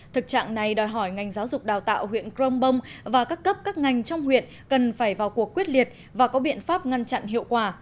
thực trạng này đòi hỏi ngành giáo dục đào tạo huyện crong bông và các cấp các ngành trong huyện cần phải vào cuộc quyết liệt và có biện pháp ngăn chặn hiệu quả